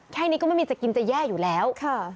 แค่นี้ก็ไม่มีจะกินจะแย่อยู่แล้ว